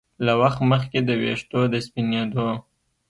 له وخت مخکې د ویښتو د سپینېدو